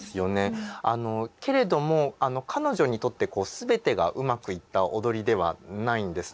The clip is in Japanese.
けれども彼女にとって全てがうまくいった踊りではないんですね。